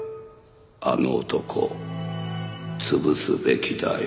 あの男潰すべきだよ。